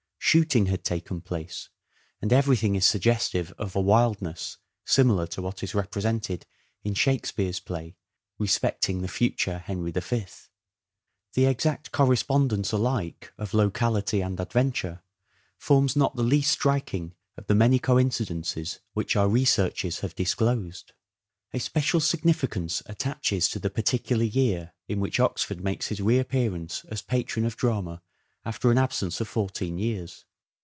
Shooting had taken place, and everything is suggestive of a wildness, similar to what is represented in " Shakespeare's " play respecting the future Henry V. The exact correspondence alike of locality and adventure forms not the least striking of the many coincidences which our researches have disclosed. A special significance attaches to the particular year The I602 in which Oxford makes his reappearance as patron of 8aP drama after an absence of fourteen years.